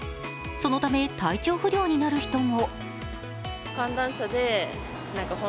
そのため体調不良になる人も。